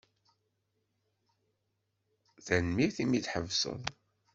Tanemmirt imi d-tḥebsed.